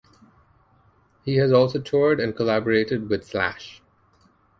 He has also toured and collaborated with Slash.